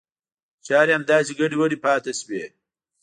چاري همداسې ګډې وډې پاته شوې.